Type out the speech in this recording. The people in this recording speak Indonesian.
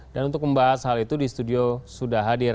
dan untuk membahas hal itu di studio sudah hadir